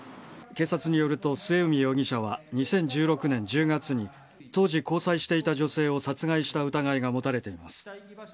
警察によると、末海容疑者は２０１６年１０月に、当時交際していた女性を殺害した疑いが持たれています。